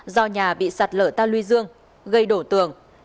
do nhà bị sạt lở ta luy dương gây đổ tường